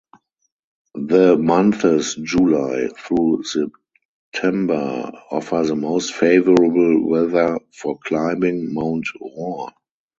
The months July through September offer the most favorable weather for climbing Mount Rohr.